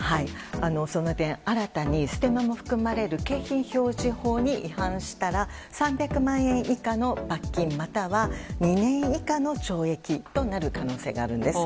その点、新たにステマも含まれる景品表示法に違反したら３００万円以下の罰金または２年以下の懲役となる可能性があるんです。